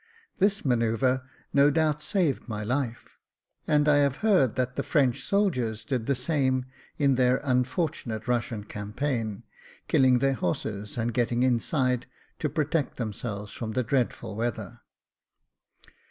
This manoeuvre, no doubt, saved my life : and I have heard that the French soldiers did the same in their unfortunate Russian campaign, killing their horses, and getting inside to protect themselves from the dreadful weather.